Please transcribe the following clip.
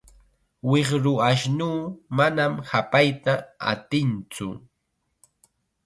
Wiqru ashnuu manam hapayta atintsu.